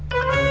nih gim dopo ya